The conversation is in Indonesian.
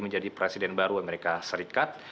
menjadi presiden baru amerika serikat